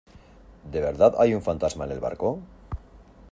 ¿ de verdad hay un fantasma en el barco?